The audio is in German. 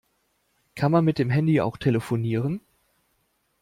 Kann man mit dem Handy auch telefonieren?